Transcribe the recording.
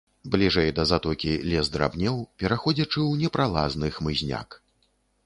Бліжэй да затокі лес драбнеў, пераходзячы ў непралазны хмызняк.